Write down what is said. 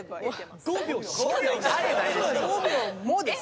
「５秒も」です。